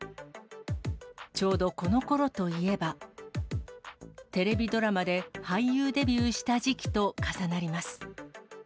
ちょうどこのころといえば、テレビドラマで俳優デビューした時期と重なります。